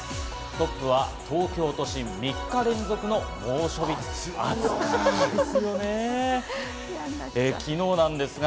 トップは東京都心、３日連続の猛暑かったですね。